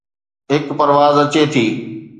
هڪ پرواز اچي ٿي